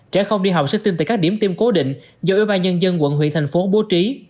trẻ không đi học sẽ tin từ các điểm tiêm cố định do ủy ban nhân dân quận huyện thành phố bố trí